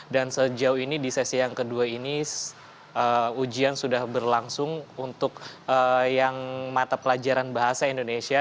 dan sejauh ini di sesi yang kedua ini ujian sudah berlangsung untuk yang mata pelajaran bahasa indonesia